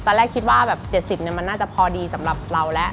ตอนแรกคิดว่าแบบ๗๐มันน่าจะพอดีสำหรับเราแล้ว